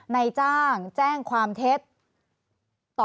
ในจ้างแจ้งความเท็จ